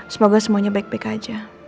semoga semuanya baik baik aja